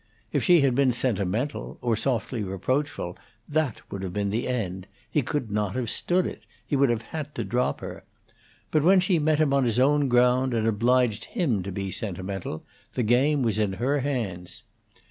If she had been sentimental, or softly reproachful, that would have been the end; he could not have stood it; he would have had to drop her. But when she met him on his own ground, and obliged him to be sentimental, the game was in her hands.